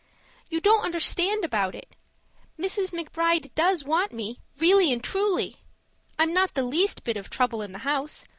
You don't understand about it. Mrs. McBride does want me, really and truly. I'm not the least bit of trouble in the house.